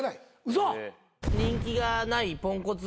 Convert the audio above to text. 嘘！？